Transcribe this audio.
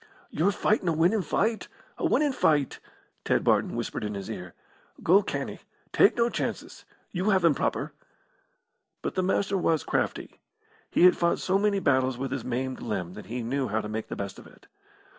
"You're fightin' a winnin' fight a winnin' fight," Ted Barton whispered in his ear. "Go canny; tak' no chances; you have him proper." But the Master was crafty. He had fought so many battles with his maimed limb that he knew how to make the best of it.